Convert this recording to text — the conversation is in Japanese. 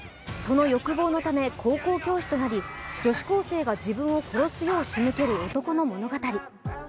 その欲望のため、高校教師となり女子高生が自分を殺すよう仕向ける男の物語。